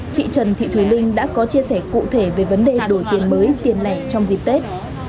chị trần thị thùy linh đã có chia sẻ cụ thể về vấn đề đổi tiền mới tiền lẻ trong dịp tết